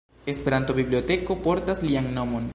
Esperanto-biblioteko portas lian nomon.